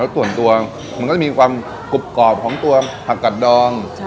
ส่วนตัวมันก็จะมีความกรุบกรอบของตัวผักกัดดอง